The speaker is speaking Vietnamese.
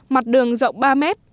mặt đường rộng ba m